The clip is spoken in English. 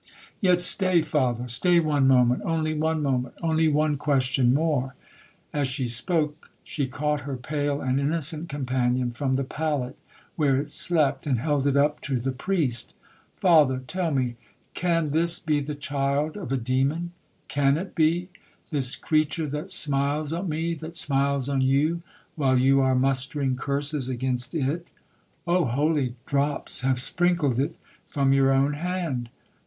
'—'Yet stay, father—stay one moment—only one moment—only one question more.' As she spoke, she caught her pale and innocent companion from the pallet where it slept, and held it up to the priest. 'Father, tell me, can this be the child of a demon?—can it be, this creature that smiles on me—that smiles on you, while you are mustering curses against it?—Oh, holy drops have sprinkled it from your own hand!